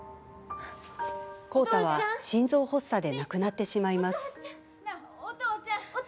浩太は心臓発作で亡くなってしまいます。